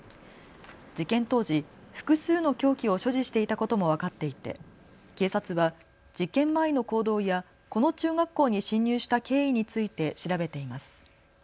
事件当時、複数の凶器を所持していたことも分かっていて警察は事件前の行動やこの中学校に侵入した経緯について調べています。